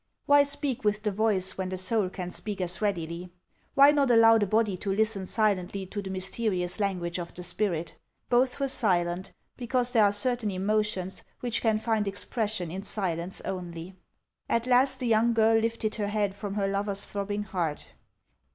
Why speak with the voice when the soul can speak as readily ? Why not allow the body to listen silently to the mysterious language of the spirit ? Both were silent, because there are certain emotions which can find expres sion in silence only. HANS OF ICELAND. 461 At last the young girl lifted her head from her lover's throbbing heart.